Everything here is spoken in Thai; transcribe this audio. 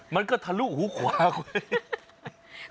มันก็ทะลุหูขวาคุณ